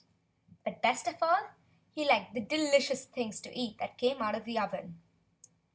But best of all he liked the de licious things to eat that came out. of the oven.